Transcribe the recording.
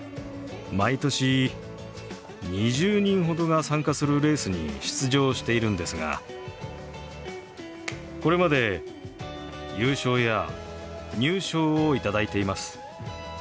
毎年２０人ほどが参加するレースに出場しているんですがこれまで優勝や入賞を頂いています。